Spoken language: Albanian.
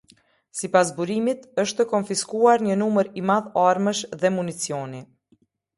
Sipas burimit është konfiskuar një numër i madh armësh dhe municioni.